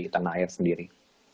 tanah air sendiri